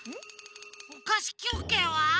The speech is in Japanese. おかしきゅうけいは？